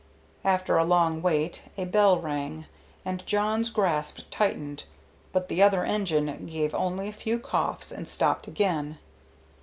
After a long wait a bell rang, and Jawn's grasp tightened, but the other engine gave only a few coughs and stopped again.